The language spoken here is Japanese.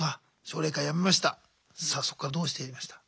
奨励会辞めました